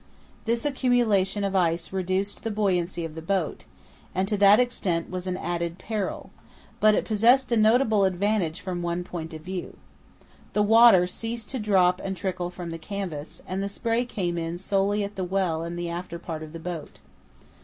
This accumulation of ice reduced the buoyancy of the boat, and to that extent was an added peril; but it possessed a notable advantage from one point of view. The water ceased to drop and trickle from the canvas, and the spray came in solely at the well in the after part of the boat.